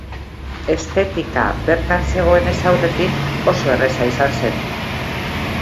Estetika bertan zegoenez aurretik, oso erraza izan zen.